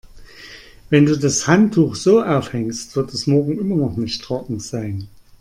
Wenn du das Handtuch so aufhängst, wird es morgen immer noch nicht trocken sein.